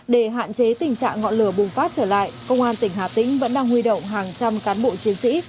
để hạn chế tình trạng ngọn lửa bùng phát trở lại công an tỉnh hà tĩnh vẫn đang huy động hàng trăm cán bộ chiến sĩ